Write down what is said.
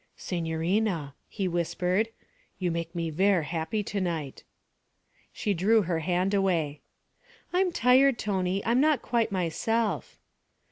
'Signorina,' he whispered, 'you make me ver' happy to night.' She drew her hand away. 'I'm tired, Tony. I'm not quite myself.'